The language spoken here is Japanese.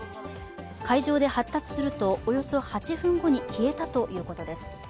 海上で発達するとおよそ８分後に消えたということです。